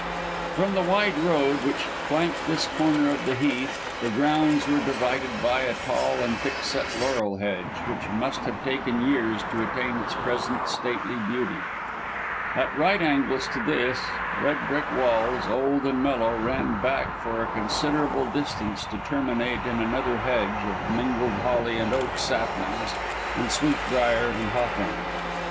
From the wide road, which flanked this corner of the Heath, the grounds were divided by a tall and thick set laurel hedge, which must have taken years to attain its present stately beauty. At right angles to this, red brick walls, old and mellow, ran back for a considerable distance to terminate in another hedge of mingled holly and oak saplings and sweetbriar and hawthorn.